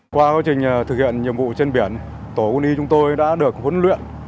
qua quá trình thực hiện nhiệm vụ trên biển tổ quân y chúng tôi đã được huấn luyện